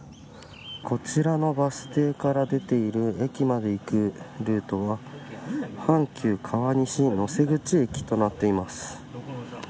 こちらのバス停から出ている駅まで行くルートは阪急川西能勢口駅となっています。